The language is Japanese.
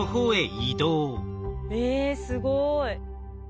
えすごい。